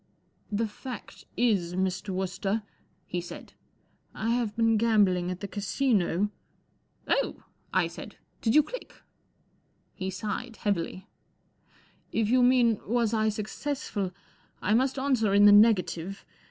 4 The fact is, Mr. Wooster," he said, I have been gambling at the Casino." 4 Oh !" I said. 41 Did you click ?" He sighed heavily. 44 If you mean, was I successful, I must answer in the negative.